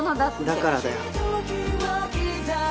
だからだよ。